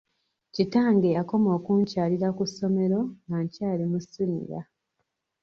Kitange yakoma okunkyalira ku ssomero nga kyali mu siniya.